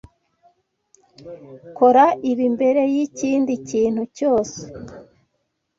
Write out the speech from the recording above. Kora ibi mbere yikindi kintu cyose.